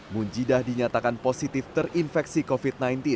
munjidah dinyatakan positif terinfeksi covid sembilan belas